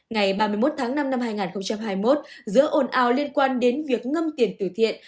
ngày ba mươi một tháng năm năm hai nghìn hai mươi một giữa ồn ào liên quan đến việc ngâm tiền tử thiện